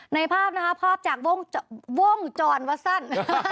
ในภาพนะคะภาพจากวงจรวัสสั้น